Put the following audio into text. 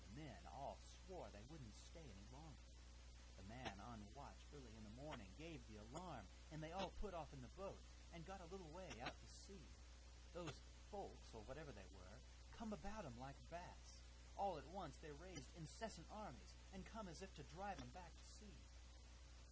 "The men all swore they wouldn't stay any longer; the man on watch early in the morning gave the alarm, and they all put off in the boat and got a little way out to sea. Those folks, or whatever they were, come about 'em like bats; all at once they raised incessant armies, and come as if to drive 'em back to sea.